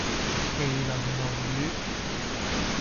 麒麟鱸魚